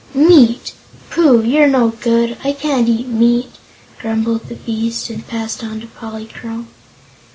"Meat! Pooh, you're no good! I can't eat meat," grumbled the beast, and passed on to Polychrome.